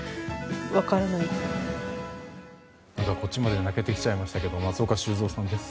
こっちまで泣けてきちゃいましたけど松岡修造さんです。